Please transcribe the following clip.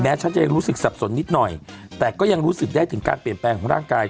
ฉันจะยังรู้สึกสับสนนิดหน่อยแต่ก็ยังรู้สึกได้ถึงการเปลี่ยนแปลงของร่างกาย